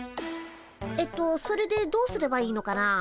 えっとそれでどうすればいいのかな？